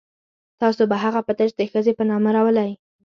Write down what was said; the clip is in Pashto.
تاسو به هغه په تش د ښځې په نامه راولئ.